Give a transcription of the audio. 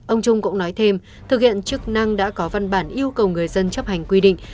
ông trung cũng nói thêm thực hiện chức năng đã có văn bản yêu cầu người dân chấp hành quy định